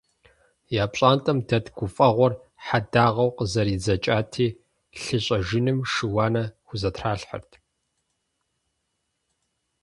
Я пщӏантӏэм дэт гуфӏэгъуэр хьэдагъэу къызэридзэкӏати, лъы щӏэжыным шы-уанэ хузэтралъхьэрт.